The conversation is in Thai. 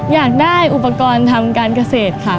อยากได้อุปกรณ์ทำการเกษตรค่ะ